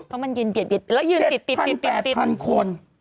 เพราะมันยืนปิดแล้วยืนติด๗๐๐๐๘๐๐๐คน